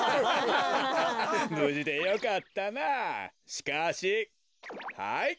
しかしはい。